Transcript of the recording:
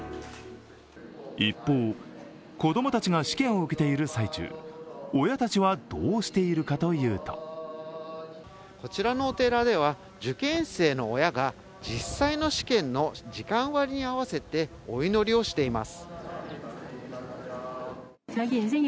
一方、子供たちが試験を受けている最中、親たちはどうしているかというとこちらのお寺では受験生の親が実際の試験の時間割りに合わせてお祈りをしています。